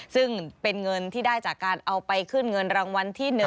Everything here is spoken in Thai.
ซึ่งเป็นเงินที่ได้จากการเอาไปขึ้นเงินรางวัลที่๑